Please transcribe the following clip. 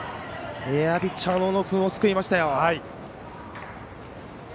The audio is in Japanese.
ピッチャーの小野君を救いましたよ。